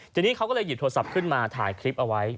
ทีนี้เขาก็เลยหยิบโทรศัพท์ขึ้นมาถ่ายคลิปเอาไว้